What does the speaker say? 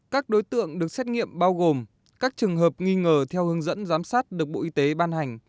các đối tượng được xét nghiệm bao gồm các trường hợp nghi ngờ theo hướng dẫn giám sát được bộ y tế ban hành